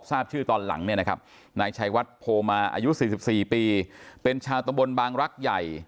ทราบชื่อตอนหลังนายชัยวัดโพมาอายุ๔๔ปีเป็นชาวตระบลบางรักใหญ่